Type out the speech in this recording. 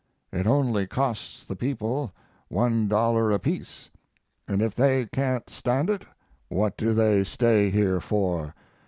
It only costs the people $1 apiece, and if they can't stand it what do they stay here for?...